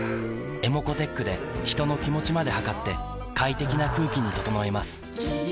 ｅｍｏｃｏーｔｅｃｈで人の気持ちまで測って快適な空気に整えます三菱電機